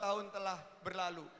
dua tahun telah berlalu